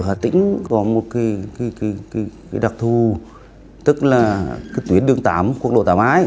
hà tĩnh có một đặc thù tức là tuyến đường tám quốc độ tám a